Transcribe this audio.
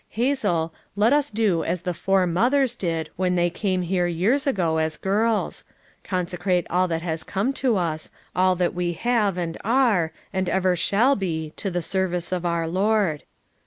Hazel, let us do as the 'Four Mothers' did when they came here years ago, as girls; consecrate all that has come to us, all FOUE MOTHERS AT CHAUTAUQUA 407 that we have and are, and ever shall be to the service of our Lord."